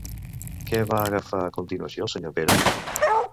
Què va agafar a continuació el senyor Pere?